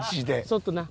そっとな。